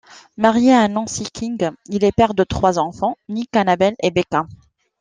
Marié à Nancy King, il est père de trois enfants, Nick, Annabel et Becca.